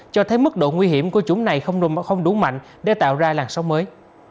cho thấy mức độ nguy hiểm của chủng này không đủ mạnh để tạo ra làn sóng mới